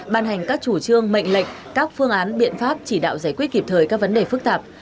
ban hành các chủ trương mệnh lệnh các phương án biện pháp chỉ đạo giải quyết kịp thời các vấn đề phức tạp